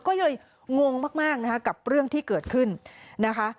ก็เลยงงมากนะคะกับเรื่องที่เกิดขึ้นนะคะ